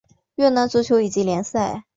越南足球乙级联赛。